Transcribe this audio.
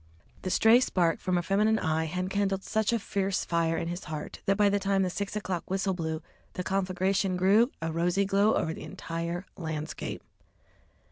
The stray spark from a feminine eye had kindled such a fierce fire in his heart that by the time the six o'clock whistle blew the conflagration threw a rosy glow over the entire landscape.